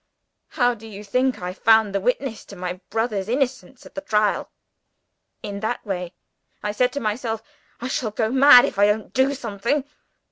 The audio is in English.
How do you think I found the witness to my brother's innocence at the Trial? In that way. I said to myself, 'I shall go mad if I don't do something.'